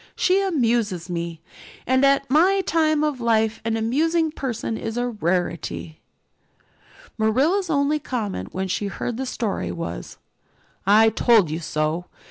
"She amuses me, and at my time of life an amusing person is a rarity." Marilla's only comment when she heard the story was, "I told you so."